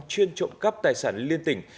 chuyên trộm cấp tài sản liên tỉnh